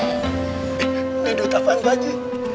ini duit apaan pak haji